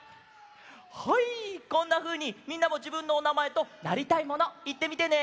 はいこんなふうにみんなもじぶんのおなまえとなりたいものいってみてね！